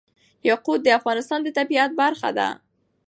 یاقوت د افغانستان د طبیعت برخه ده.